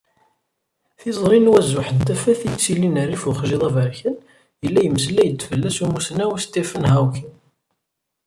Tiẓri n wazuḥ n tafat i yettilin rrif uxjiḍ aberkan, yella yemmeslay-d fell-as umussnaw Stephen Hawking.